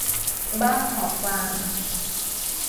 บ้าหอบฟาง